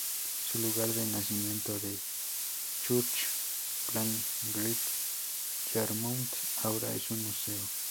Su lugar de nacimiento en Church Plain, Great Yarmouth ahora es un museo.